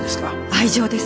愛情です。